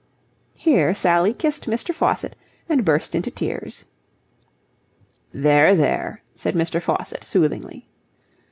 Here Sally kissed Mr. Faucitt and burst into tears. "There, there," said Mr. Faucitt, soothingly.